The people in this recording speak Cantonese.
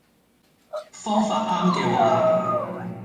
方法啱嘅話